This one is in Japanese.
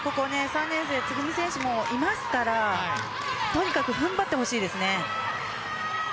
３年生つぐみ選手もいますからとにかく踏ん張ってほしいですね。